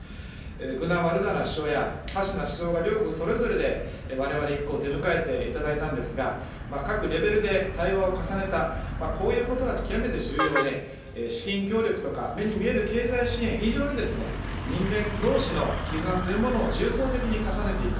グナワルダナ首相やハシナ首相が両国それぞれでわれわれ一行を出迎えていただいたんですが、各レベルで対話を重ねた、こういうことが極めて重要で、資金協力とか、目に見える経済支援以上に、人間どうしの絆というものを重層的に重ねていく。